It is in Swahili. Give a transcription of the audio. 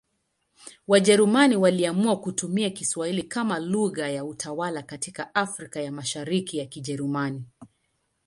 Wajerumani waliamua kutumia Kiswahili kama lugha ya utawala katika Afrika ya Mashariki ya Kijerumani.